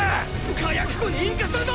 火薬庫に引火するぞ！！